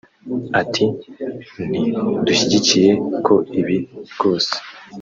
Ati “Ntidushyigikiye ko ibi rwose